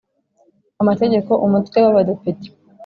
Amategeko Umutwe w Abadepite